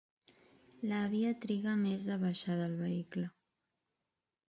L'àvia triga més a baixar del vehicle.